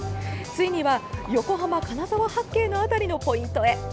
ついには横浜・金沢八景の辺りのポイントへ。